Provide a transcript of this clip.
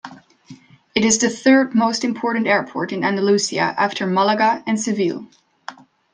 It is the third most important airport in Andalucia after Malaga and Seville.